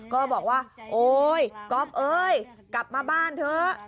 ก็บอกว่าโอ๊ยก๊อฟเอ้ยกลับมาบ้านเถอะ